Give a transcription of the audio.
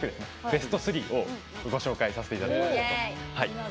ベスト３をご紹介させていただきます。